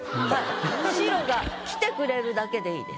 シロが来てくれるだけでいいです。